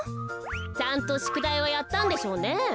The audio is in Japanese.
ちゃんとしゅくだいはやったんでしょうね。